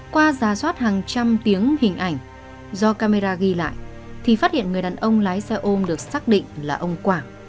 qua giả soát hàng trăm tiếng hình ảnh do camera ghi lại thì phát hiện người đàn ông lái xe ôm được xác định là ông quảng